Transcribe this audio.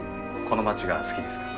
この街が好きですか？